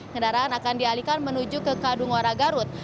kendaraan akan dialihkan menuju ke kadungwara garut